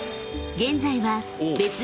［現在は］